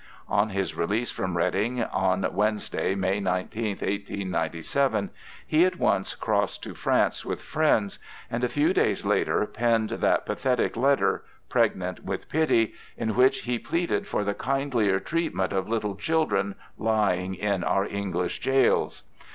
On his release from Reading on Wednesday, May 19th, 1897, he at once crossed to France with friends, and a few days later penned that pathetic letter, pregnant with pity, in which he pleaded for the kindlier treatment of little children lying in our English gaols.